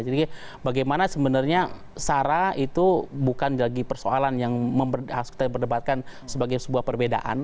jadi bagaimana sebenarnya sarah itu bukan lagi persoalan yang harus kita perdebatkan sebagai sebuah perbedaan